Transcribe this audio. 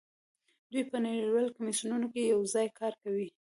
دوی په نړیوالو کمیسیونونو کې یوځای کار کوي